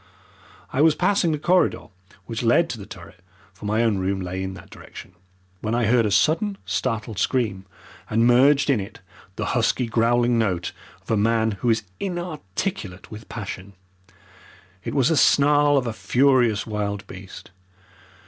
I was passing the corridor which led to the turret for my own room lay in that direction when I heard a sudden, startled scream, and merged in it the husky, growling note of a man who is inarticulate with passion. It was the snarl of a furious wild beast.